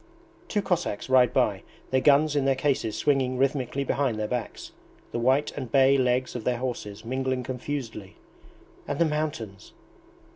... Two Cossacks ride by, their guns in their cases swinging rhythmically behind their backs, the white and bay legs of their horses mingling confusedly ... and the mountains!